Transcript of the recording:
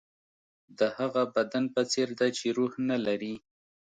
د هغه بدن په څېر ده چې روح نه لري.